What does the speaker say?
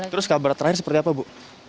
terus kabar terakhir seperti apa bu